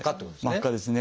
真っ赤ですね。